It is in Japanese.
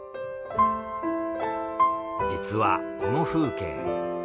実はこの風景